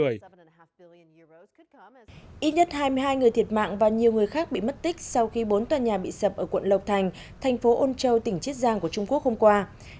ít nhất hai mươi hai người thiệt mạng và nhiều người khác bị mất tích sau khi bốn tòa nhà bị sập ở quận lộc thành thành phố ôn châu tỉnh chiết giang của trung quốc hôm qua